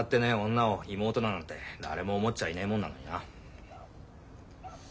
女を妹だなんて誰も思っちゃいねえもんなのにな。